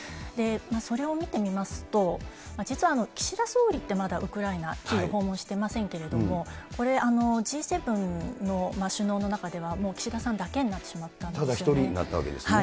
それを見てみますと、実は岸田総理ってまだウクライナに訪問してませんけれども、これ、Ｇ７の首脳の中では、もう岸田さんだけになってしまっただ一人になったわけですね。